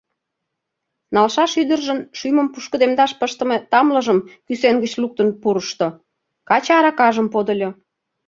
Налшаш ӱдыржын шӱмым пушкыдемдаш пыштыме тамлыжым кӱсен гыч луктын пурышто, каче аракажым подыльо.